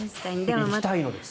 行きたいのです。